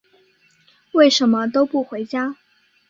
为什么都不回家？